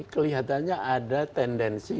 kelihatannya ada tendensi